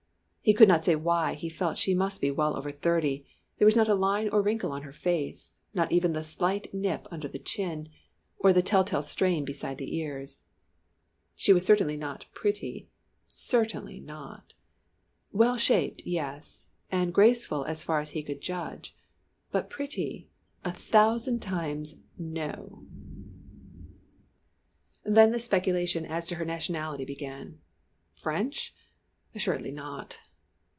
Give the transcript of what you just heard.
He could not say why he felt she must be well over thirty there was not a line or wrinkle on her face not even the slight nip in under the chin, or the tell tale strain beside the ears. She was certainly not pretty, certainly not. Well shaped yes and graceful as far as he could judge; but pretty a thousand times No! Then the speculation as to her nationality began. French? assuredly not.